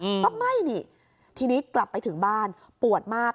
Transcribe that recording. อืมต้องไหม้นี่ทีนี้กลับไปถึงบ้านปวดมาก